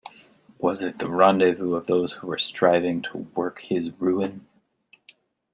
Was it the rendezvous of those who were striving to work his ruin.